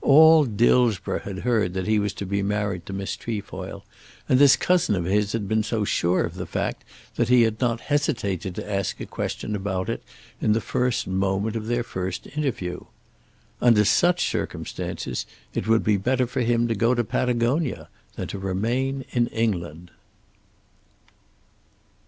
All Dillsborough had heard that he was to be married to Miss Trefoil, and this cousin of his had been so sure of the fact that he had not hesitated to ask a question about it in the first moment of their first interview. Under such circumstances it would be better for him to go to Patagonia than to remain in England.